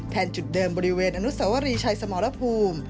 จุดเดิมบริเวณอนุสวรีชัยสมรภูมิ